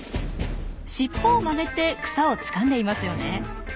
尻尾を曲げて草をつかんでいますよね。